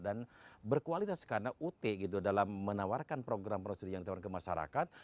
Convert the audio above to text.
dan berkualitas karena ut gitu dalam menawarkan program program studi yang ditawarkan ke masyarakat